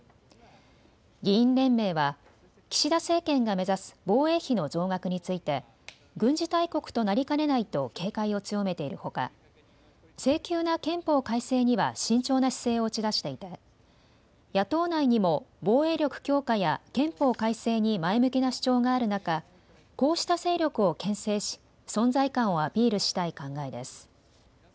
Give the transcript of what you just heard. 議員連盟は岸田政権が目指す防衛費の増額について軍事大国となりかねないと警戒を強めているほか、性急な憲法改正には慎重な姿勢を打ち出していて、野党内にも防衛力強化や憲法改正に前向きな主張がある中、こうした勢力をけん制し存在感をアピールしたい考えです。